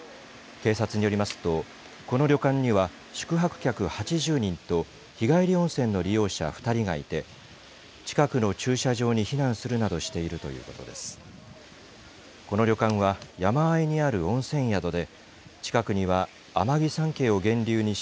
警察によりますと、この旅館には宿泊客８０人と、日帰り温泉の利用者２人がいて、近くの駐車場に避難するなどしているということです。